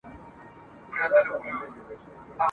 درنیژدې می که په مینه بې سببه بې پوښتنی ..